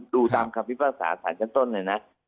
ดูตามความคาวิทธิ์ภาษาสารชั้นต้นเลยนะ